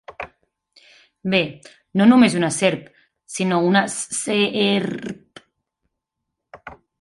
Bé, no només una serp, sinó una s-s-s-e-e-e-r-p.